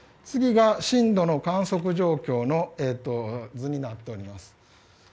次が震度の観測状況の図になっております。